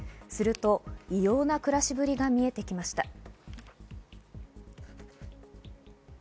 すると異様な暮らしぶりが見えてきました。